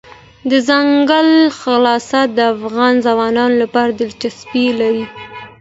دځنګل حاصلات د افغان ځوانانو لپاره دلچسپي لري.